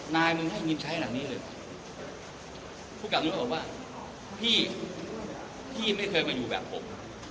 นายมึงให้เงินใช้หลังนี้เลยผู้กลับยุทธบอกว่าพี่พี่ไม่เคยมาอยู่แบบผม